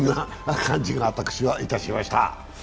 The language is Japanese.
そんな感じが私はいたしました。